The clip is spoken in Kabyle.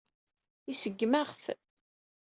Iseggem-aɣ-t.